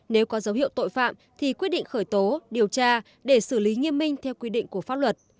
nếu có dấu hiệu tội phạm thì quyết định khởi tố điều tra để xử lý nghiêm minh theo quy định của pháp luật